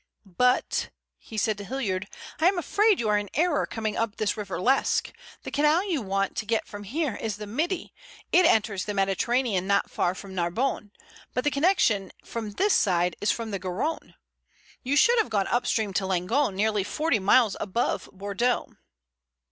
"But," he said to Hilliard, "I am afraid you are in error in coming up this River Lesque. The canal you want to get from here is the Midi, it enters the Mediterranean not far from Narbonne. But the connection from this side is from the Garonne. You should have gone up stream to Langon, nearly forty miles above Bordeaux."